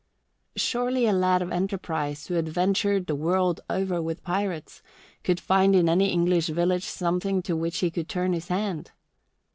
Surely a lad of enterprise, who had ventured the world over with pirates, could find in any English village something to which he could turn his hand.